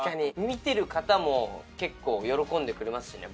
見てる方も結構喜んでくれますしね